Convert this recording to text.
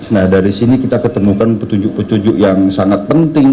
nah dari sini kita ketemukan petunjuk petunjuk yang sangat penting